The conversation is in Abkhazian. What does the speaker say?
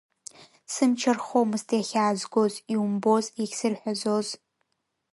Сымч архомызт иахьаазгоз, иумбоз иахьсырҳәазоз?